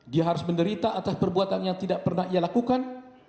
dia harus menderita atas perbuatan yang tidak pernah ia lakukan